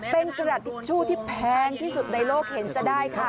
เป็นกระดาษทิชชู่ที่แพงที่สุดในโลกเห็นจะได้ค่ะ